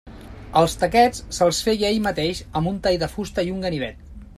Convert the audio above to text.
Els taquets se'ls feia ell mateix amb un tall de fusta i un ganivet.